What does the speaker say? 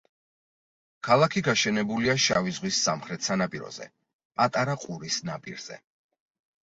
ქალაქი გაშენებულია შავი ზღვის სამხრეთ სანაპიროზე, პატარა ყურის ნაპირზე.